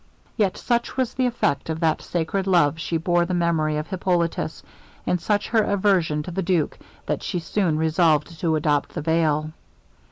Yet such was the effect of that sacred love she bore the memory of Hippolitus, and such her aversion to the duke, that she soon resolved to adopt the veil.